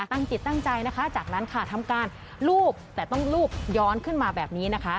จิตตั้งใจนะคะจากนั้นค่ะทำการลูบแต่ต้องรูปย้อนขึ้นมาแบบนี้นะคะ